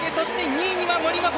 ２位には森本。